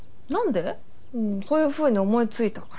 そういうふうに思いついたから。